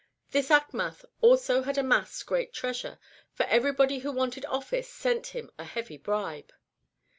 This Achmath also had amassed great treasure, for everybody who wanted office sent him a heavy bribe.